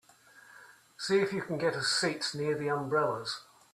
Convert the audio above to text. See if you can get us seats near the umbrellas.